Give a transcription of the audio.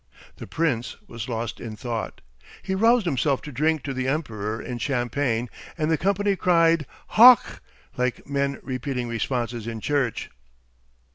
The Prince was lost in thought. He roused himself to drink to the Emperor in champagne, and the company cried "Hoch!" like men repeating responses in church.